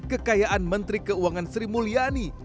kekayaan menteri keuangan sri mulyani